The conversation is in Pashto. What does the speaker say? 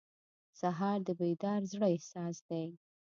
سهار د بیدار زړه احساس دی.